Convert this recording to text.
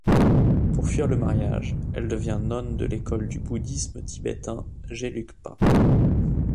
Pour fuir le mariage, elle devient nonne de l’école du bouddhisme tibétain Gelugpa.